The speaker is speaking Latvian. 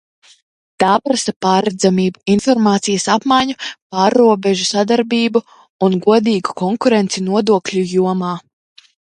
Tā prasa pārredzamību, informācijas apmaiņu, pārrobežu sadarbību un godīgu konkurenci nodokļu jomā.